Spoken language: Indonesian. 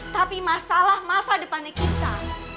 tapi masalah masa depannya kita